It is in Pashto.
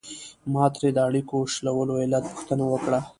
ما ترې د اړیکو شلولو علت پوښتنه وکړه.